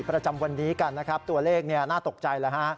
ประจำวันนี้กันนะครับตัวเลขน่าตกใจแล้วฮะ